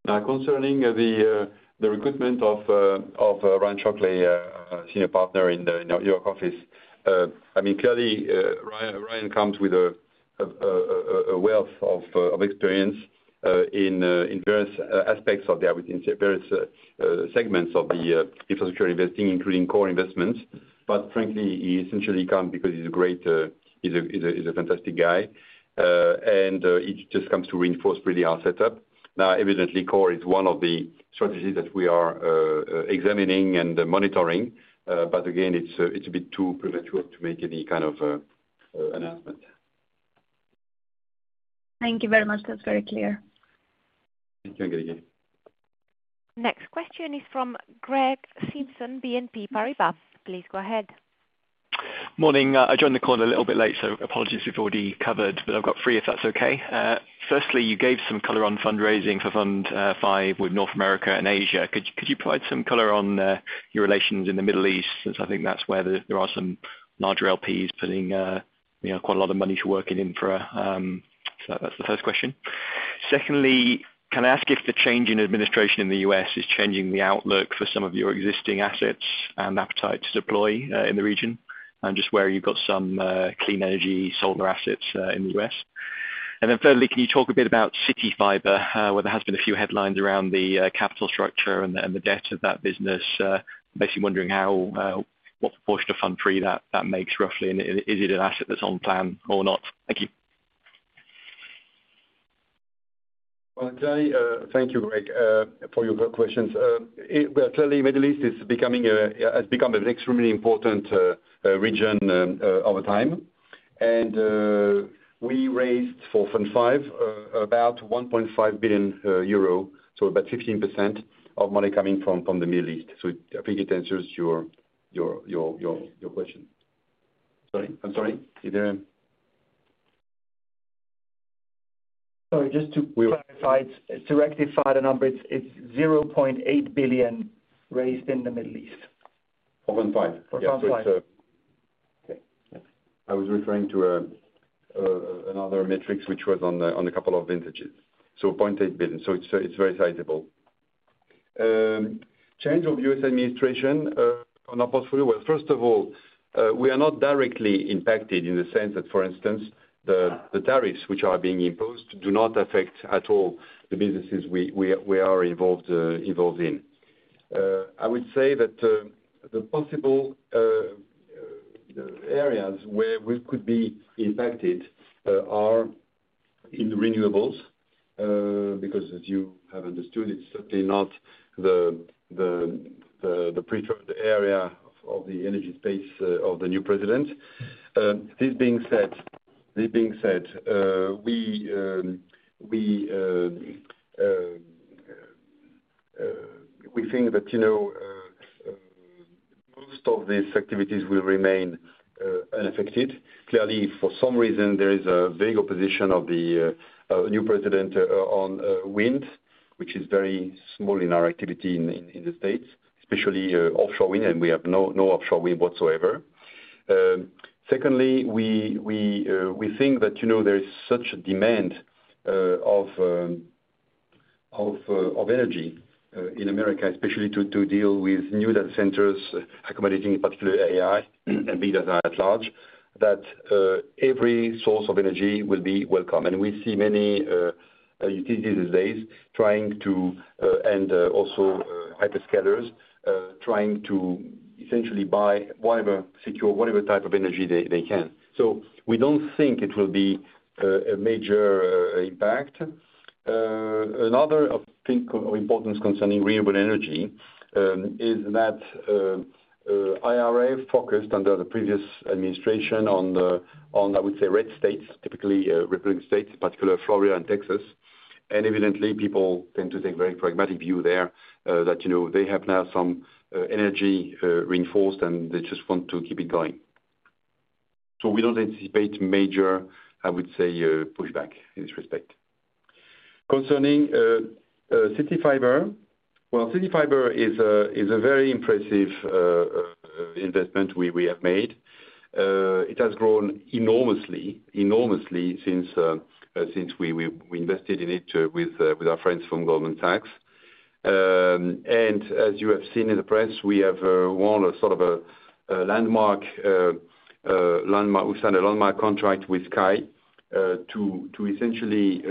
Now, concerning the recruitment of Ryan Shockley, senior partner in your office, I mean, clearly, Ryan comes with a wealth of experience in various aspects of the various segments of the infrastructure investing, including core investments. But frankly, he essentially comes because he's a fantastic guy. And it just comes to reinforce really our setup. Now, evidently, core is one of the strategies that we are examining and monitoring. But again, it's a bit too premature to make any kind of announcement. Thank you very much. That's very clear. Thank you, Angeliki. Next question is from Greg Simpson, BNP Paribas. Please go ahead. Morning. I joined the call a little bit late, so apologies if I already covered, but I've got three if that's okay. Firstly, you gave some color on fundraising for Fund V with North America and Asia. Could you provide some color on your relations in the Middle East? I think that's where there are some larger LPs putting quite a lot of money to working in for. So that's the first question. Secondly, can I ask if the change in administration in the U.S. is changing the outlook for some of your existing assets and appetite to deploy in the region and just where you've got some clean energy solar assets in the U.S.? And then thirdly, can you talk a bit about CityFibre, where there has been a few headlines around the capital structure and the debt of that business? Basically wondering what proportion of Fund III that makes roughly, and is it an asset that's on plan or not? Thank you. Thank you, Greg, for your questions. Clearly, the Middle East has become an extremely important region over time. We raised for Fund V about €1.5 billion, so about 15% of money coming from the Middle East. So I think it answers your question. Sorry. I am sorry. Sorry, just to clarify, to rectify the number, it is €0.8 billion raised in the Middle East. For Fund V. Okay. I was referring to another matrix, which was on a couple of vintages. So €0.8 billion. So it is very sizable. Change of U.S. administration on our portfolio? First of all, we are not directly impacted in the sense that, for instance, the tariffs which are being imposed do not affect at all the businesses we are involved in. I would say that the possible areas where we could be impacted are in renewables because, as you have understood, it is certainly not the preferred area of the energy space of the new president. This being said, we think that most of these activities will remain unaffected. Clearly, for some reason, there is a big opposition of the new president on wind, which is very small in our activity in the States, especially offshore wind, and we have no offshore wind whatsoever. Secondly, we think that there is such a demand of energy in America, especially to deal with new data centers accommodating particularly AI and big data at large, that every source of energy will be welcome. And we see many utilities these days trying to, and also hyperscalers trying to essentially buy whatever type of energy they can. So we don't think it will be a major impact. Another thing of importance concerning renewable energy is that IRA focused under the previous administration on, I would say, red states, typically Republican states, particularly Florida and Texas. Evidently, people tend to take a very pragmatic view there that they have now some energy reinforced, and they just want to keep it going. We don't anticipate major, I would say, pushback in this respect. Concerning CityFibre, well, CityFibre is a very impressive investment we have made. It has grown enormously since we invested in it with our friends from Goldman Sachs. As you have seen in the press, we have won a sort of a landmark contract with Sky to essentially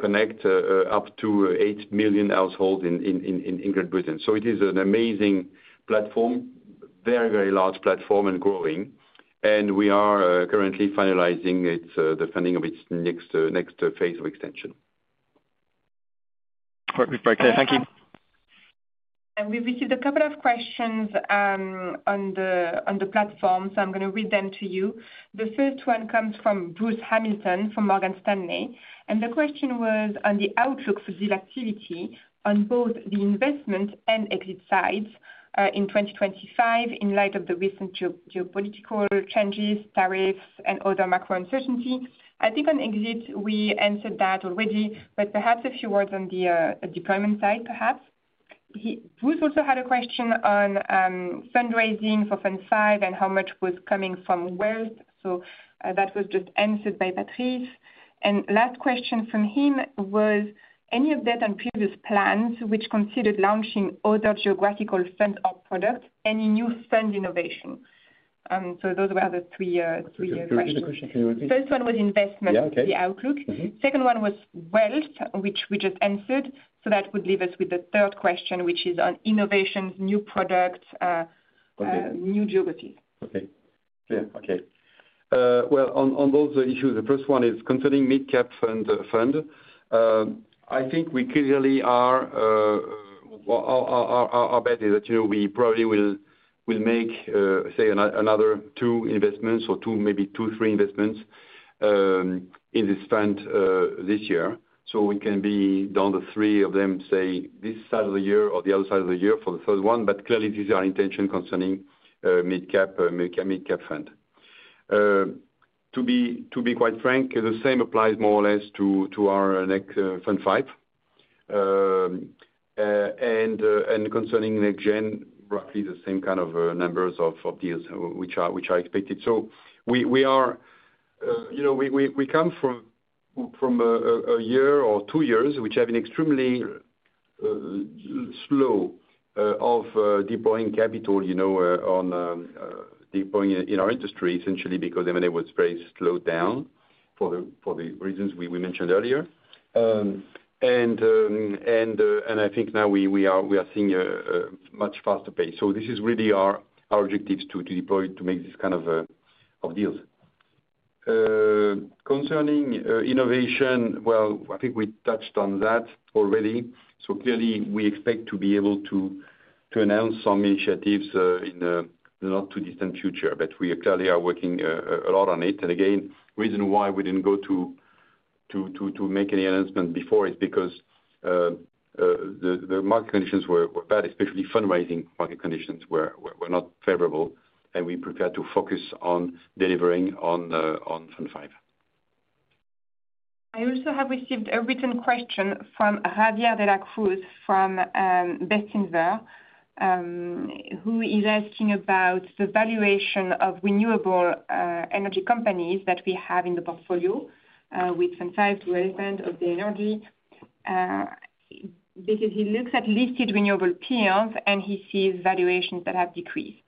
connect up to eight million households in Great Britain. It is an amazing platform, very, very large platform and growing. We are currently finalizing the funding of its next phase of extension. All right. Very clear. Thank you. We've received a couple of questions on the platform, so I'm going to read them to you. The first one comes from Bruce Hamilton from Morgan Stanley, and the question was on the outlook for deal activity on both the investment and exit sides in 2025 in light of the recent geopolitical changes, tariffs, and other macro uncertainty. I think on exit, we answered that already, but perhaps a few words on the deployment side, perhaps. Bruce also had a question on fundraising for Fund V and how much was coming from wealth. So that was just answered by Patrice, and last question from him was, any update on previous plans which considered launching other geographical funds or products, any new fund innovation? So those were the three questions. First one was investment, the outlook. Second one was wealth, which we just answered. So that would leave us with the third question, which is on innovations, new products, new geographies. Okay. Clear. Okay. On those issues, the first one is concerning mid-cap fund. I think we clearly are our bet is that we probably will make, say, another two investments or two, maybe two, three investments in this fund this year. We can be down to three of them, say, this side of the year or the other side of the year for the third one. Clearly, these are intentions concerning mid-cap fund. To be quite frank, the same applies more or less to our Fund V. Concerning Next Gen, roughly the same kind of numbers of deals which are expected. We come from a year or two years which have been extremely slow of deploying capital in our industry, essentially because M&A was very slowed down for the reasons we mentioned earlier. I think now we are seeing a much faster pace. So this is really our objectives to deploy to make this kind of deals. Concerning innovation, well, I think we touched on that already. So clearly, we expect to be able to announce some initiatives in the not too distant future, but we clearly are working a lot on it. And again, the reason why we didn't go to make any announcement before is because the market conditions were bad, especially fundraising market conditions were not favorable, and we prefer to focus on delivering on Fund V. I also have received a written question from Javier de la Cruz from Bestinver, who is asking about the valuation of renewable energy companies that we have in the portfolio with some 5% of the energy. Because he looks at listed renewable peers and he sees valuations that have decreased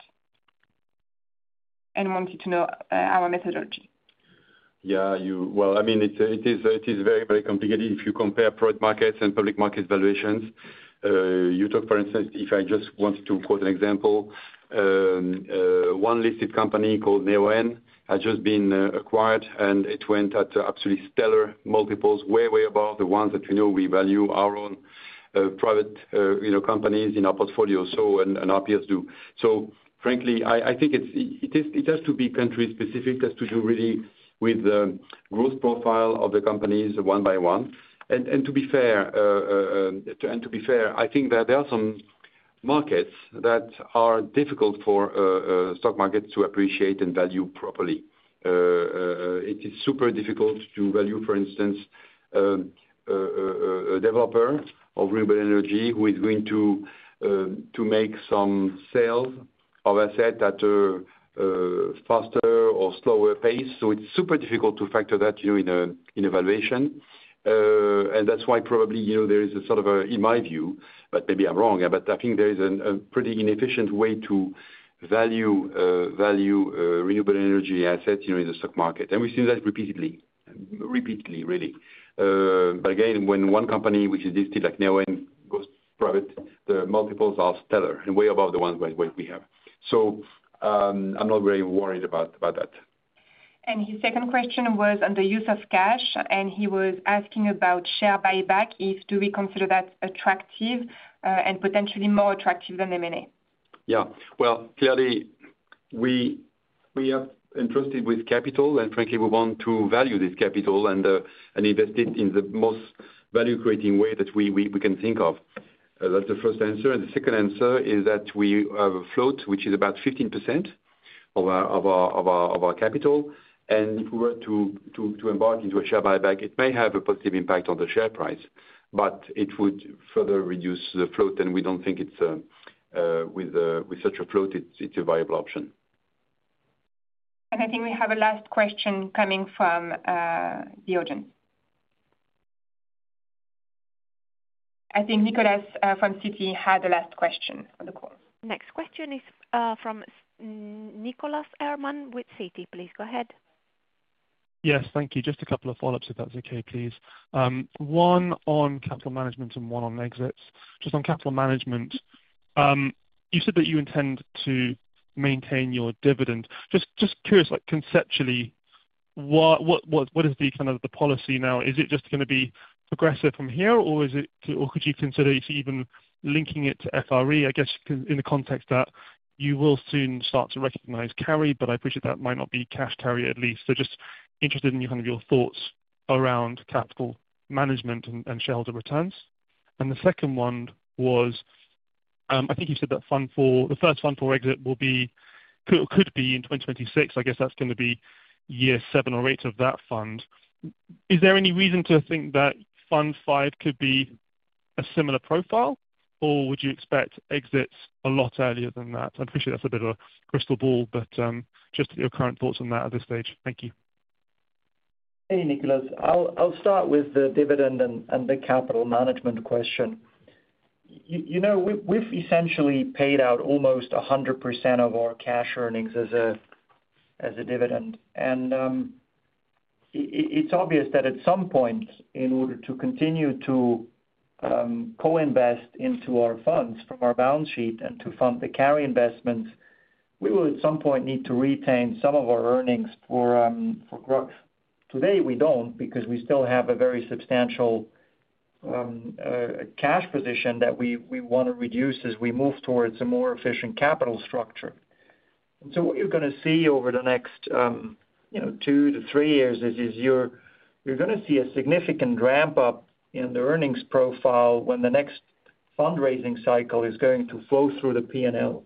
and wanted to know our methodology. Yeah. I mean, it is very, very complicated. If you compare private markets and public markets valuations, you talk, for instance, if I just wanted to quote an example, one listed company called Neoen has just been acquired, and it went at absolutely stellar multiples, way, way above the ones that we know we value our own private companies in our portfolio and our peers do. So frankly, I think it has to be country-specific. It has to do really with the growth profile of the companies one by one. And to be fair, I think that there are some markets that are difficult for stock markets to appreciate and value properly. It is super difficult to value, for instance, a developer of renewable energy who is going to make some sales of assets at a faster or slower pace. So it's super difficult to factor that in evaluation. And that's why probably there is a sort of, in my view, but maybe I'm wrong, but I think there is a pretty inefficient way to value renewable energy assets in the stock market. And we've seen that repeatedly, repeatedly, really. But again, when one company which is listed like Neoen goes private, the multiples are stellar and way above the ones we have. So I'm not very worried about that. And his second question was on the use of cash, and he was asking about share buyback. Do we consider that attractive and potentially more attractive than M&A? Yeah. Well, clearly, we are interested with capital, and frankly, we want to value this capital and invest it in the most value-creating way that we can think of. That's the first answer. The second answer is that we have a float which is about 15% of our capital. If we were to embark into a share buyback, it may have a positive impact on the share price, but it would further reduce the float. We don't think with such a float, it's a viable option. I think we have a last question coming from the audience. I think Nicholas from Citi had the last question for the call. Next question is from Nicholas Herman with Citi, please. Go ahead. Yes. Thank you. Just a couple of follow-ups, if that's okay, please. One on capital management and one on exits. Just on capital management, you said that you intend to maintain your dividend. Just curious, conceptually, what is the kind of the policy now? Is it just going to be progressive from here, or could you consider even linking it to FRE, I guess, in the context that you will soon start to recognize carry? But I appreciate that might not be cash carry at least. So just interested in kind of your thoughts around capital management and shareholder returns. And the second one was, I think you said that the first fund for exit could be in 2026. I guess that's going to be year seven or eight of that fund. Is there any reason to think that Fund V could be a similar profile, or would you expect exits a lot earlier than that? I appreciate that's a bit of a crystal ball, but just your current thoughts on that at this stage. Thank you. Hey, Nicholas. I'll start with the dividend and the capital management question. We've essentially paid out almost 100% of our cash earnings as a dividend, and it's obvious that at some point, in order to continue to co-invest into our funds from our balance sheet and to fund the carry investments, we will at some point need to retain some of our earnings for growth. Today, we don't because we still have a very substantial cash position that we want to reduce as we move towards a more efficient capital structure, and so what you're going to see over the next two to three years is you're going to see a significant ramp-up in the earnings profile when the next fundraising cycle is going to flow through the P&L,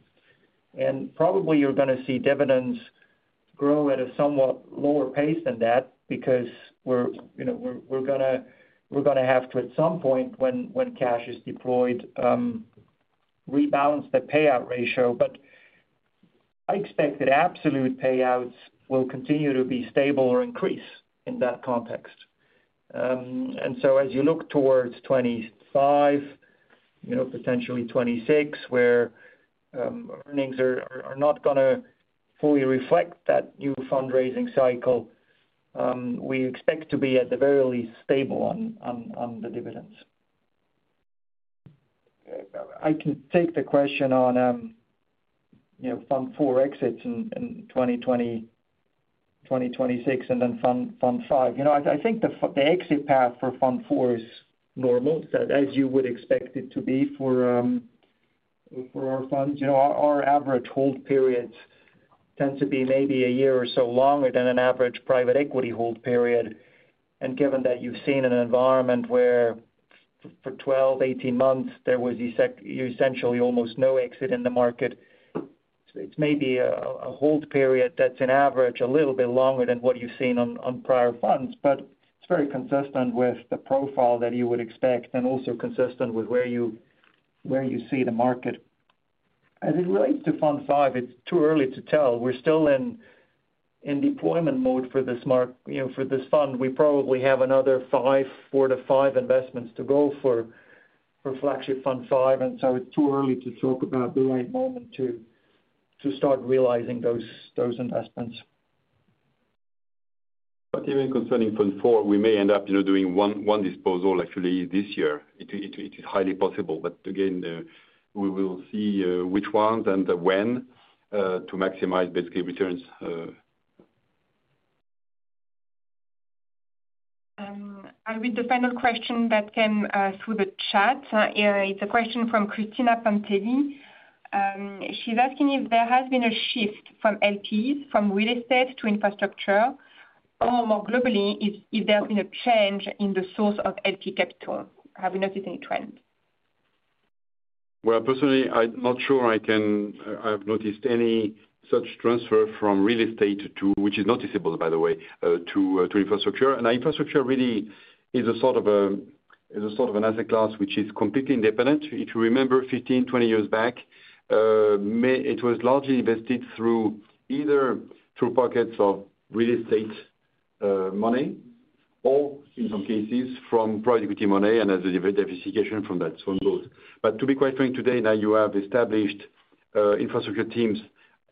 and probably you're going to see dividends grow at a somewhat lower pace than that because we're going to have to, at some point when cash is deployed, rebalance the payout ratio. But I expect that absolute payouts will continue to be stable or increase in that context. And so as you look towards 2025, potentially 2026, where earnings are not going to fully reflect that new fundraising cycle, we expect to be at the very least stable on the dividends. I can take the question on Fund IV exits in 2026 and then Fund V. I think the exit path for Fund IV is normal, as you would expect it to be for our funds. Our average hold periods tend to be maybe a year or so longer than an average private equity hold period. And given that you've seen an environment where for 12-18 months, there was essentially almost no exit in the market, it's maybe a hold period that's an average a little bit longer than what you've seen on prior funds, but it's very consistent with the profile that you would expect and also consistent with where you see the market. As it relates to Fund V, it's too early to tell. We're still in deployment mode for this fund. We probably have another four to five investments to go for Flagship Fund V, and so it's too early to talk about the right moment to start realizing those investments. But even concerning Fund IV, we may end up doing one disposal, actually, this year. It is highly possible. But again, we will see which ones and when to maximize basically returns. I'll read the final question that came through the chat. It's a question from Christina Panteli. She's asking if there has been a shift from LPs, from real estate to infrastructure, or more globally, if there has been a change in the source of LP capital. Have you noticed any trends? Well, personally, I'm not sure I have noticed any such transfer from real estate, which is noticeable, by the way, to infrastructure, and infrastructure really is a sort of an asset class which is completely independent. If you remember 15, 20 years back, it was largely invested through either pockets of real estate money or, in some cases, from private equity money and as a diversification from that, so on both, but to be quite frank, today, now you have established infrastructure teams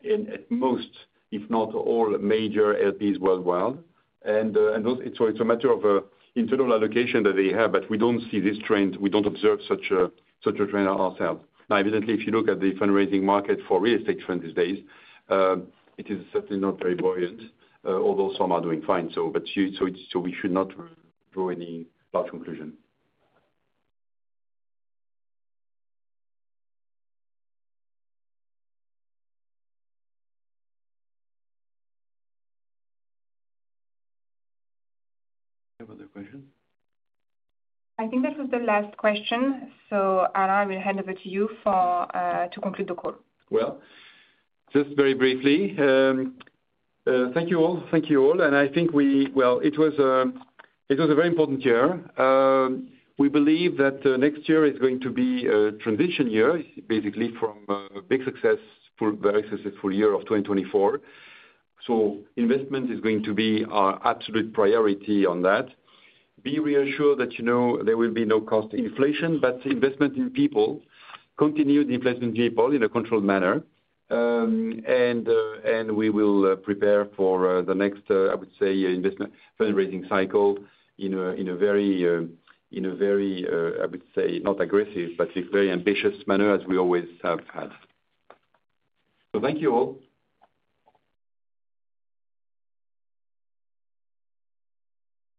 in most, if not all, major LPs worldwide. And so it's a matter of internal allocation that they have, but we don't see this trend. We don't observe such a trend ourselves. Now, evidently, if you look at the fundraising market for real estate funds these days, it is certainly not very buoyant, although some are doing fine. But so we should not draw any large conclusion. Do you have other questions? I think that was the last question. So I'm going to hand over to you to conclude the call. Well, just very briefly, thank you all. Thank you all. And I think, well, it was a very important year. We believe that next year is going to be a transition year, basically from a very successful year of 2024. So investment is going to be our absolute priority on that. Be reassured that there will be no cost. Inflation, but investment in people, continued investment in people in a controlled manner and we will prepare for the next, I would say, fundraising cycle in a very, I would say, not aggressive, but very ambitious manner as we always have had, so thank you all.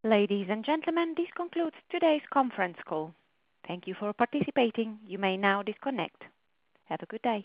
Ladies and gentlemen, this concludes today's conference call. Thank you for participating. You may now disconnect. Have a good day.